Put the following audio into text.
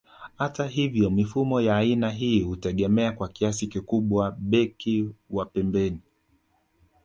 Hata hivyo mifumo ya aina hii hutegemea kwa kiasi kikubwa beki wa pembeni